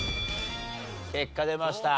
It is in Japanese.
結果出ました。